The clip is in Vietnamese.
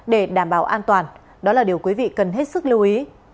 để đảm bảo an toàn đó là điều quý vị cần hết sức lưu ý